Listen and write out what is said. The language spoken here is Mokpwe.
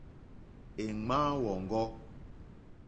Èŋmáá wɔ̀ŋɡɔ́.